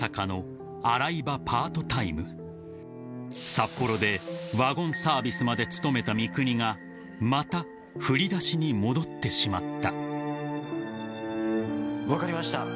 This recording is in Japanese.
［札幌でワゴンサービスまで務めた三國がまた振り出しに戻ってしまった］